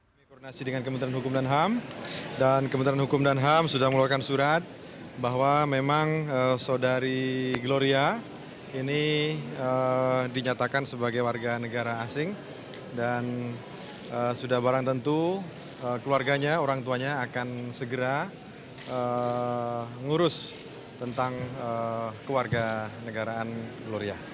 kami koordinasi dengan kementerian hukum dan ham dan kementerian hukum dan ham sudah melakukan surat bahwa memang saudari gloria ini dinyatakan sebagai warga negara asing dan sudah barang tentu keluarganya orang tuanya akan segera ngurus tentang keluarga negaraan gloria